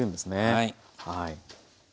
はい。